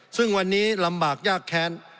ซึ่งวันนี้ลำบากยากแค้น